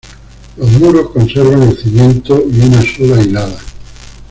Los muros conservan el cimiento y una sola hilada.